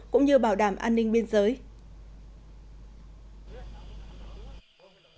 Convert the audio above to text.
cũng như bảo đảm an ninh biên giới